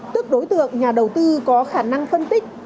tức đối tượng nhà đầu tư có khả năng phân tích